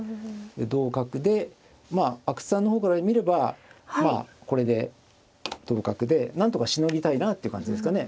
同角でまあ阿久津さんの方から見ればまあこれで同角でなんとかしのぎたいなって感じですかね。